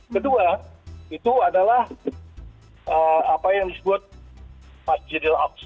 kedua itu adalah apa yang disebut pasjidil aqsa